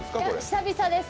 久々です